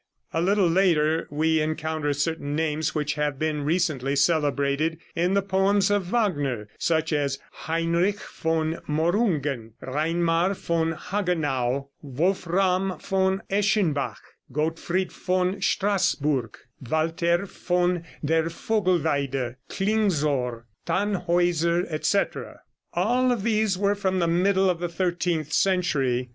A little later we encounter certain names which have been recently celebrated in the poems of Wagner, such as Heinrich von Morungen, Reinmar von Hagenau, Wolfram von Eschenbach, Gottfried von Strassburg, Walther von der Vogelweide, Klingsor, Tannhäuser, etc. All of these were from the middle of the thirteenth century.